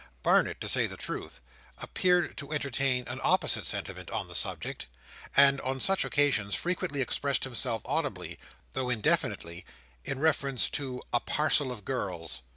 Barnet, to say the truth, appeared to entertain an opposite sentiment on the subject, and on such occasions frequently expressed himself audibly, though indefinitely, in reference to "a parcel of girls."